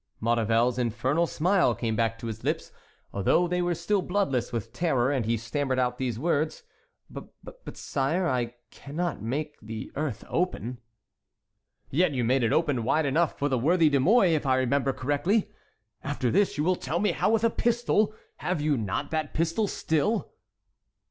Maurevel's infernal smile came back to his lips, though they were still bloodless with terror, and he stammered out these words: "But, sire, I cannot make the earth open." "Yet you made it open wide enough for the worthy De Mouy, if I remember correctly. After this you will tell me how with a pistol—have you not that pistol still?"